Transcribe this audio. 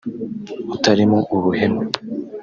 utarimo ubuhemu